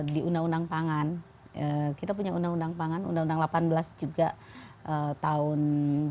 di undang undang pangan kita punya undang undang pangan undang undang delapan belas juga tahun dua ribu